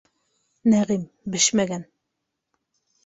Нәғим - бешмәгән.